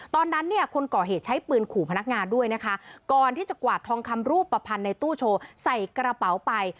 ตอนนั้นเนี่ยคนก่อเหตุใช้ปืนขู่พนักงานด้วยนะคะก่อนที่จะกวาดทองคำรูปภัณฑ์ในตู้โชว์ใส่กระเป๋าไป